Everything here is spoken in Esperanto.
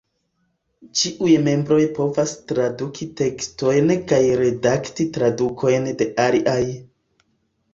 Ĉiuj membroj povas traduki tekstojn kaj redakti tradukojn de aliaj.